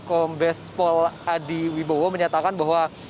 kombes pol adi wibowo menyatakan bahwa